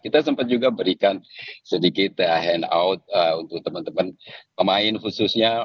kita sempat juga berikan sedikit hand out untuk teman teman pemain khususnya